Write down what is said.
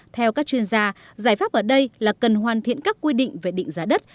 theo các chuyên gia giải pháp ở đây là cần hoàn thiện các quy định về định giá đất